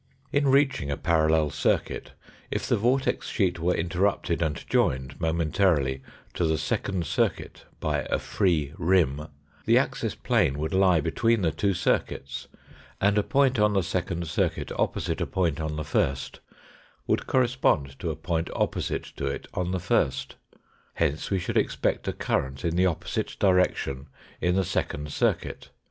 In reaching a parallel circuit, if the vortex sheet were interrupted and joined momentarily to the second circuit by a free rim, the axis plane would lie between the two circuits, and a point on the second circuit opposite a point on the first would correspond to a point opposite to it on the first; hence we should expect a current in the opposite direction in the second circuit.